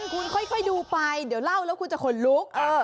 อย่างนั้นคุณค่อยดูไปเดี๋ยวเล่าแล้วคุณจะขนลุก